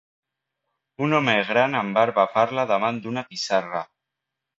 Un home gran amb barba parla davant d'una pissarra.